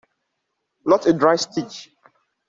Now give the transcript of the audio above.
Not a dry stitch.